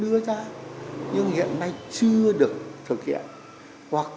nhiều ý kiến cho rằng nếu như chỉ đề ra và chỉ làm cho có